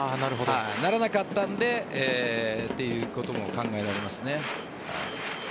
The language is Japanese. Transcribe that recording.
ならなかったのでということも考えられますね。